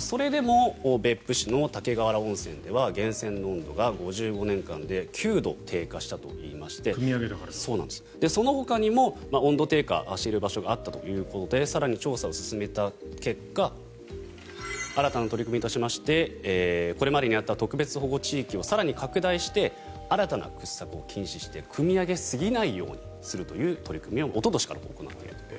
それでも別府市の竹瓦温泉では源泉の温度が５５年間で９度低下したといいましてそのほかにも温度低下をしている場所があるということで調査をしまして新たな取り組みとしてこれまでにあった特別保護地域を更に拡大して新たな掘削を禁止してくみ上げすぎないようにするという取り組みをおととしから行っていると。